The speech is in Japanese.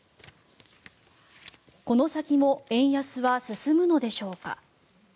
この先も円安は進むのでしょうか。